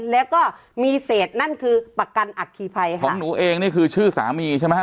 แล้วก็มีเศษนั่นคือประกันอัคคีภัยค่ะของหนูเองนี่คือชื่อสามีใช่ไหมฮ